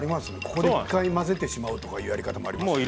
ここで１回混ぜてしまうとかいうやり方もありますよね。